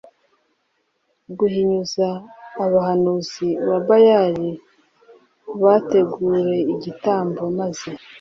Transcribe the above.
guhinyuza Abahanuzi ba Bayali bategure igitambo maze